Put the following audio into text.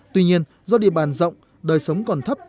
tuy nhiên do địa bàn rộng đời sống còn thấp